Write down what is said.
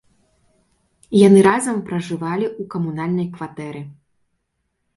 Яны разам пражывалі ў камунальнай кватэры.